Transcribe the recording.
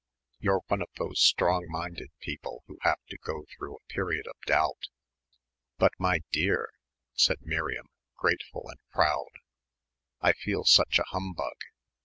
You're one of those strong minded people who have to go through a period of doubt." "But, my dear," said Miriam grateful and proud, "I feel such a humbug.